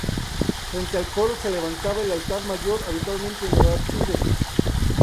Frente al coro se levantaba el altar mayor, habitualmente en el ábside.